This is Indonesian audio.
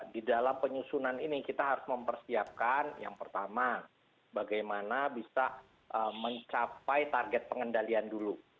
di dalam penyusunan ini kita harus mempersiapkan yang pertama bagaimana bisa mencapai target pengendalian dulu